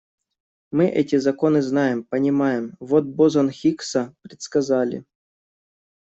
Мы эти законы знаем, понимаем, вот бозон Хиггса предсказали.